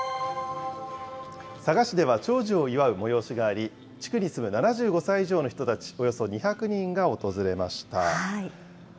佐賀市では長寿を祝う催しがあり、地区に住む７５歳以上の人たちおよそ２００人が訪れました。